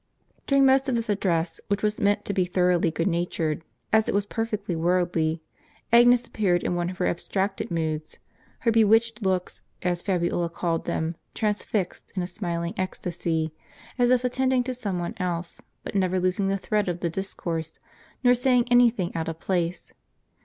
During most of this address, which was meant to be thor oughly good natured, as it was perfectly worldly, Agnes ap peared in one of her abstracted moods, her bewitched looks, as Fabiola called them, transfixed, in a smiling ecstasy, as if attending to some one else, but never losing the thread of the discourse, nor saying any thing out of place.